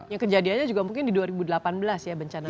yang kejadiannya juga mungkin di dua ribu delapan belas ya bencana